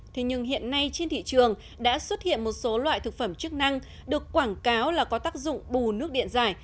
thế nhưng hiện nay trên thị trường đã xuất hiện một số loại thực phẩm chức năng được quảng cáo là có tác dụng bù nước điện giải